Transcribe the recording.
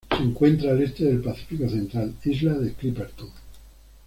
Se encuentra al este del Pacífico central: Isla de Clipperton.